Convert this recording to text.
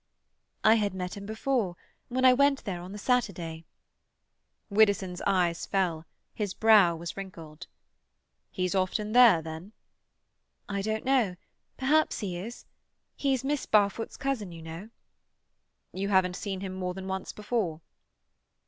"I had met him before—when I went there on the Saturday." Widdowson's eyes fell; his brow was wrinkled. "He's often there, then?" "I don't know. Perhaps he is. He's Miss Barfoot's cousin, you know." "You haven't seen him more than once before?"